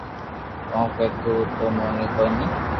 ڪون ڪو تو تو موني ڪوئي ني